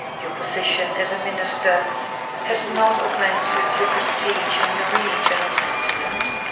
Your position as a minister has not augmented your prestige in the region of sentiment.